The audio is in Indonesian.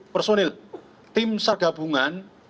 personil tim sargabungan